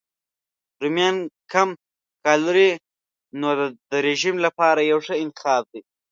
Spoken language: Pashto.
رومیان کم کالوري نو د رژیم لپاره یو ښه انتخاب دی.